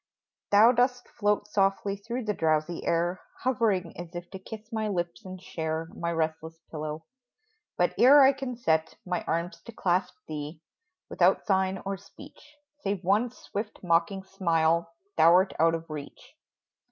Thou dost float softly through the drowsy air Hovering as if to kiss my lips and share My restless pillow ; but ere I can set My arms to clasp thee, without sign or speech. Save one swift, mocking smile thou 'rt out of reach